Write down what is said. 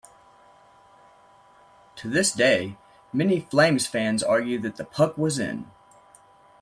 To this day, many Flames fans argue that the puck was in.